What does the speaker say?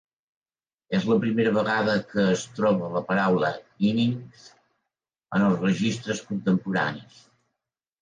És la primera vegada que es troba la paraula "innings" en els registres contemporanis.